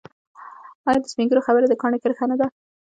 آیا د سپین ږیرو خبره د کاڼي کرښه نه ده؟